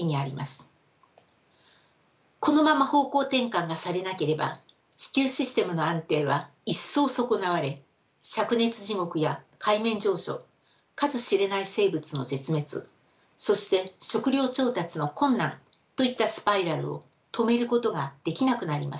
このまま方向転換がされなければ地球システムの安定は一層損なわれしゃく熱地獄や海面上昇数知れない生物の絶滅そして食料調達の困難といったスパイラルを止めることができなくなります。